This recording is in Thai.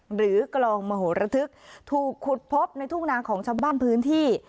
กลองมโหระทึกถูกขุดพบในทุ่งนาของชาวบ้านพื้นที่